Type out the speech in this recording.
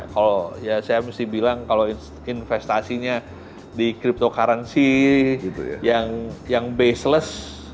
kalau ya saya mesti bilang kalau investasinya di cryptocurrency yang baseless